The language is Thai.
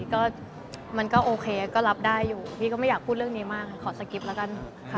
ก็มันก็โอเคก็รับได้อยู่พี่ก็ไม่อยากพูดเรื่องนี้มากค่ะขอสกิปต์แล้วกันค่ะ